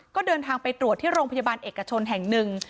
ก็เดินทางไปตรวจที่โรงพยาบาลเอกชนแห่งหนึ่ง